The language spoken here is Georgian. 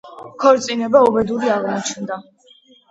ქორწინება უბედური აღმოჩნდა.